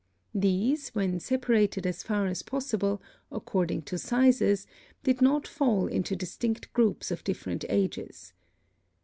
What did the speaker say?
These, when separated as far as possible, according to sizes, did not fall into distinct groups of different ages.